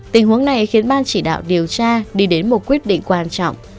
tình huống này khiến ban chỉ đạo điều tra đi đến một quyết định quan trọng